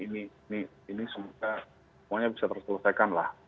ini semoga semuanya bisa terselesaikan lah